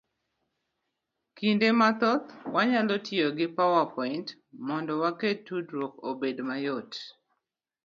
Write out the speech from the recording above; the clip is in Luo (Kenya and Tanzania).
Kinde mathoth wanyalo tiyo gi power point, mondo waket tudruok obed mayot.